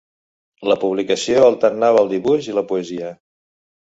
La publicació alternava el dibuix i la poesia.